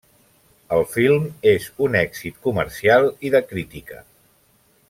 El film és un èxit comercial i de crítica.